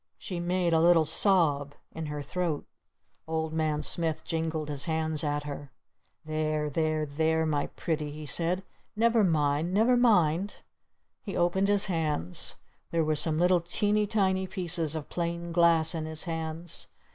She made a little sob in her throat. Old Man Smith jingled his hands at her. "There There There, my Pretty!" he said. "Never mind Never mind!" He opened his hands. There were some little teeny tiny pieces of plain glass in his hands.